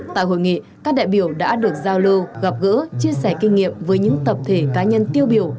tại hội nghị các đại biểu đã được giao lưu gặp gỡ chia sẻ kinh nghiệm với những tập thể cá nhân tiêu biểu